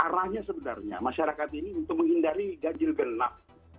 arahnya sebenarnya masyarakat ini untuk menghindari gajil gelap